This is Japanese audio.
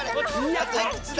あといくつだ？